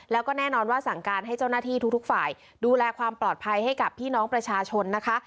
แล้วก็แน่นอนว่าสั่งการให้เจ้าหน้าที่ทุกฝ่ายดูแลความปลอดภัยให้กับพี่น้องประชาชนนะคะ